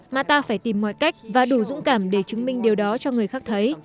mà ta phải tìm mọi cách và đủ dũng cảm để chứng minh điều đó cho người khác thấy